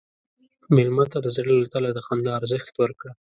مېلمه ته د زړه له تله د خندا ارزښت ورکړه.